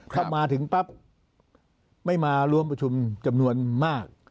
เข้ามาถึงปั๊บไม่มาร่วมประชุมจำนวนมาก